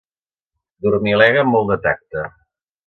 Dormilega amb molt de tacte.